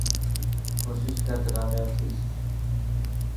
ڪوشش ڪر ته ڪامياب ٿيس.